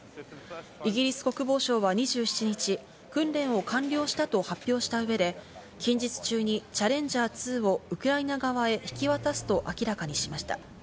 イギリス国防省は２７日、訓練を完了したと発表した上で、近日中に「チャレンジャー２」をウクライナ側へ引き渡すと明らかにしました。